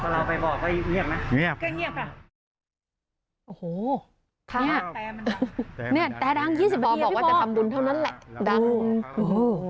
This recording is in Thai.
โอ้โหค่ะเนี่ยแตรร์มันแดงแดดังยี่สิบป่อบอกว่าจะทำบุญเท่านั้นแหละ